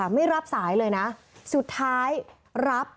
ไม่รับสายสุดท้ายรับ